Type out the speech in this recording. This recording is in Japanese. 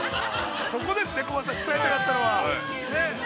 そこですね、コバさんが伝えたかったのは。